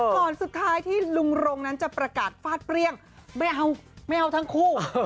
ก่อนสุดท้ายที่ลุงรงนั้นจะประกาศฟาดเปรี้ยงไม่เอาไม่เอาทั้งคู่